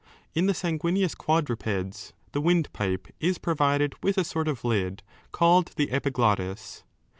In the 4 sanguineous quadrupeds the windpipe is provided with a sort of lid called the epiglottis.